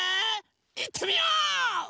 いってみよう！